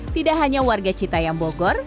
tidak hanya warga citayam bogor